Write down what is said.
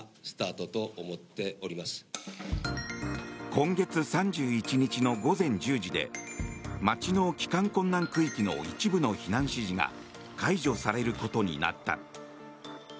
今月３１日の午前１０時で町の帰還困難区域の一部の避難指示が解除されることになった。